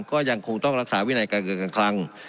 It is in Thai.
ก็ยังคงต้องรักษาวินัยการเงินการคลัง